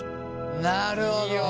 なるほど。